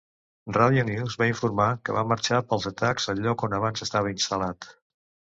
Radio News va informar que va marxar pels atacs al lloc on abans estava instal·lat.